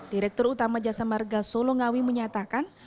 direktur utama jasa marga solongawi menyatakan